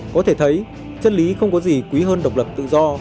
có thể thấy chân lý không có gì quý hơn độc lập tự do